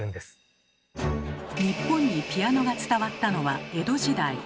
日本にピアノが伝わったのは江戸時代。